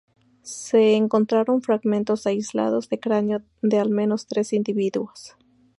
Se encontraron fragmentos aislados de cráneo de al menos tres individuos.